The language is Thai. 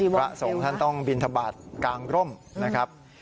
พระสงฆ์ท่านต้องบินทบาทกลางร่มนะครับ